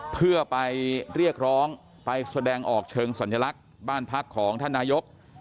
เพื่อไปเรียกร้องไปแสดงออกเชิงสัญลักษณ์บ้านพักของท่านนายก